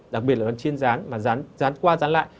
đặc biệt là ăn chiên rán mà rán qua rán lại